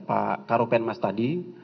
pak karopen mas tadi